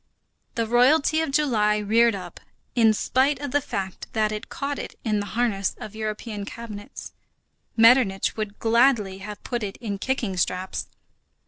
The Royalty of July reared up, in spite of the fact that it caught it in the harness of European cabinets. Metternich would gladly have put it in kicking straps.